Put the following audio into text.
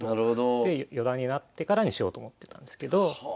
で四段になってからにしようと思ってたんですけど。